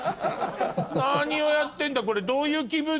何をやってんだこれ。